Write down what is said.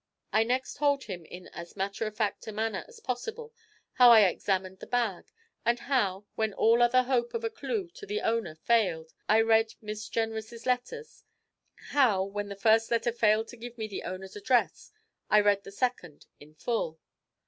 I next told him in as matter of fact a manner as possible how I examined the bag, and how, when all other hope of a clue to the owner failed, I read Miss Jenrys' letters; how, when the first letter failed to give me the owner's address, I read the second in full.